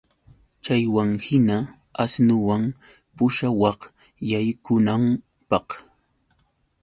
Chaywanhina asnuwan pushawaq yaykunanpaq